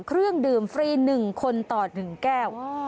เครื่องดื่มฟรี๑คนต่อ๑แก้ว